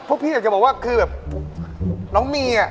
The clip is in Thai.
พวกพี่อาจจะบอกว่าคือน้องมี